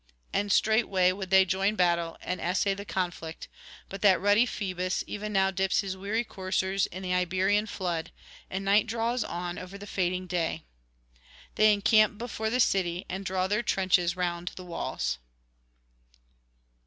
And straightway would they join battle and essay the conflict, but that ruddy Phoebus even now dips his weary coursers in the Iberian flood, and night draws on over the fading day. They encamp before the city, and draw their trenches round the walls.